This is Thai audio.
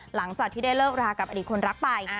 หลังจากที่ได้เลิกรากับอดีตคนรักไป